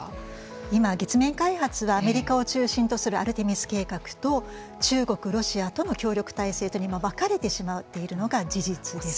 今、月面開発はアメリカを中心とするアルテミス計画と中国、ロシアとの協力体制とに分かれてしまっているのが事実です。